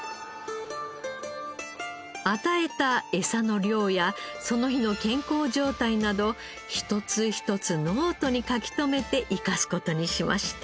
与えたエサの量やその日の健康状態など一つ一つノートに書き留めて生かす事にしました。